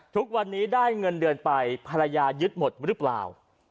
ทุกวันนี้ได้เงินเดือนไปภรรยายึดหมดหรือเปล่า